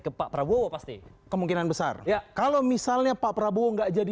ke pak prabowo pasti kemungkinan besar ya kalau misalnya pak prabowo enggak jadi